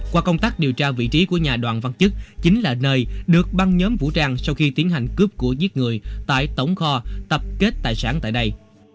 qua công tác điều tra vị trí của nhà đoàn văn chức chính là nơi được băng nhóm vũ trang sau khi tiến hành cướp của giết người tại tổng kho tập kết tài sản tại đây